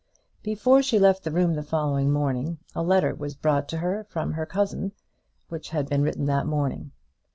Before she left the room the following morning, a letter was brought to her from her cousin, which had been written that morning.